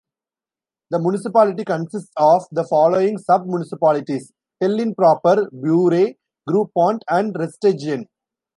The municipality consists of the following sub-municipalities: Tellin proper, Bure, Grupont, and Resteigne.